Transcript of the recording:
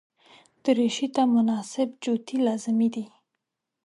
دریشي ته مناسب جوتي لازمي دي.